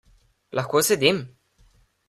Lahko sedim?